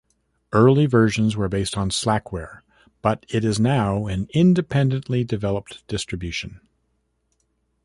Early versions were based on Slackware, but it is now an independently developed distribution.